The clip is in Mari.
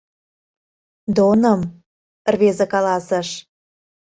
— Доным... — рвезе каласыш.